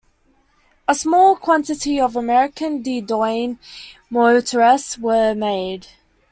A small quantity of American De Dion Motorettes were made.